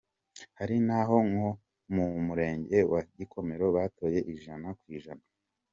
Hari n’aho nko mu murenge wa Gikomero batoye ijana ku ijana.